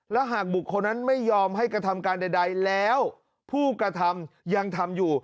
และหากบุคคลนั้นไม่ยอมให้กระทำการใดแล้วผู้กระทำยังทำอยู่